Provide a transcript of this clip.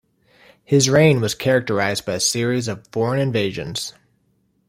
His reign was characterised by a series of foreign invasions.